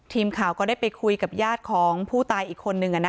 ทีมข่าวก็ได้ไปคุยกับญาติของผู้ตายอีกคนนึง